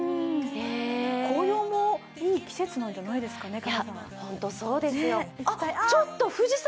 紅葉もいい季節なんじゃないですかね、金沢。